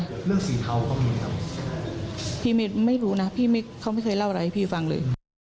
เรื่องสีเทาก็มีครับพี่ไม่รู้นะพี่ไม่เขาไม่เคยเล่าอะไรให้พี่ฟังเลย